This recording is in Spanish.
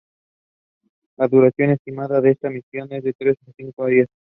La duración estimada de esta misión es de tres a cinco días.